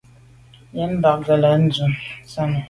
Yen nà ba ngelan ndù sàne.